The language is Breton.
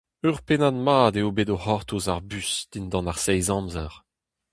Ur pennad mat eo bet o c'hortoz ar bus dindan ar seizh amzer.